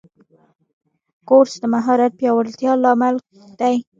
کورس د مهارت پیاوړتیا لامل دی.